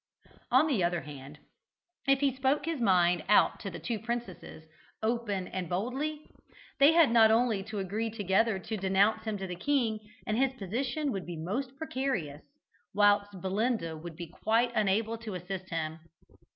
On the other hand, if he spoke his mind out to the two princesses, openly and boldly, they had only to agree together to denounce him to the king, and his position would be most precarious, whilst Belinda would be quite unable to assist him.